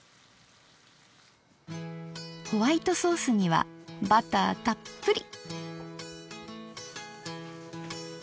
ホワイトソースにはバターたっぷり。